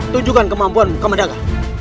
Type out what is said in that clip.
tujukan kemampuan kamandaka